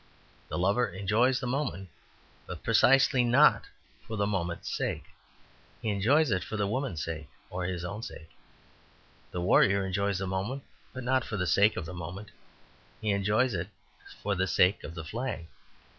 The lover enjoys the moment, but precisely not for the moment's sake. He enjoys it for the woman's sake, or his own sake. The warrior enjoys the moment, but not for the sake of the moment; he enjoys it for the sake of the flag.